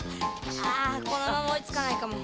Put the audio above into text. ああこのままおいつかないかも。